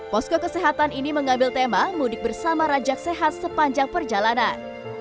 posko kesehatan ini mengambil tema mudik bersama rajak sehat sepanjang perjalanan